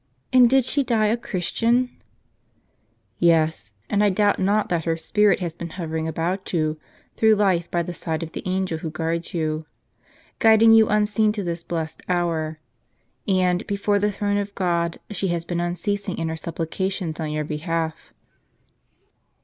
And did she die a Christian ?"" Yes ; and I doubt not that her spirit has been hovering about you through life by the side of the angel who guards you, guiding you unseen to this blessed hour. And, before the throne of God, she has been unceasing in her supplica tions on your behalf."